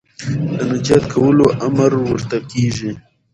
د نجات کولو امر ورته کېږي